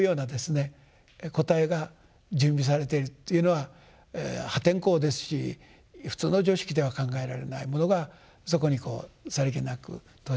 答えが準備されているというのは破天荒ですし普通の常識では考えられないものがそこにこうさりげなく投ぜられていくと。